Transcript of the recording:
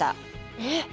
えっ！